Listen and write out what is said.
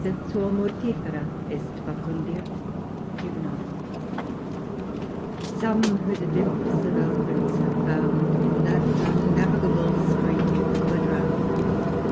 Et sua moriifera estfacundia ^ J Some who the depths of eloquence have found, In that unnavigable stream were drown'd."